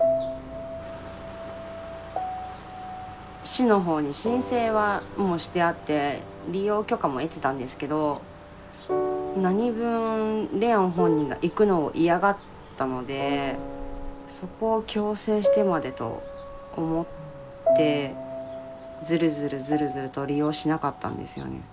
市の方に申請はもうしてあって利用許可も得てたんですけど何分麗桜本人が行くのを嫌がったのでそこを強制してまでと思ってズルズルズルズルと利用しなかったんですよね。